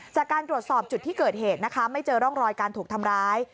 จากการตรวจสอบจุดที่เกิดเหตุนะคะไม่เจอร่องรอยการถูกทำร้าย